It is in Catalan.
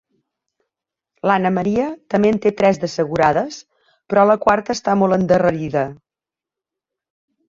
L'Anna Maria també en té tres d'assegurades, però la quarta està molt endarrerida.